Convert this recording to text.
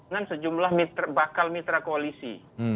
dengan sejumlah bakal mitra koalisi